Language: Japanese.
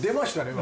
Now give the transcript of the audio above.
今。